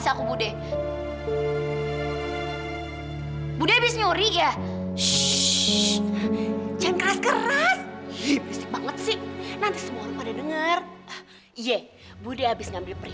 saya nie kontra clara dari f youtube graffiti